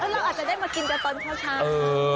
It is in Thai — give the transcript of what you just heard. เราอาจจะได้มากินกันตอนเช้า